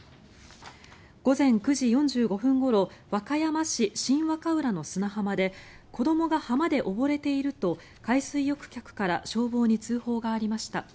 午前９時４５分ごろ和歌山市新和歌浦の砂浜で子どもが浜で溺れていると海水浴客から消防に通報がありました。